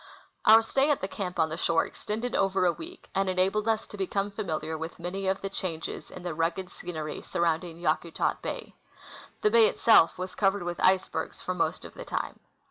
Our stay at the camp on the shore extended OA^er a Aveek, and enabled us to become familiar Avith many of the changes in the rugged scenery surrounding Yakutat bay. The bay itself Avas covered with icebergs for most of the time.